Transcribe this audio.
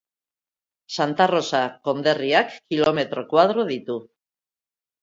Santa Rosa konderriak kilometro koadro ditu.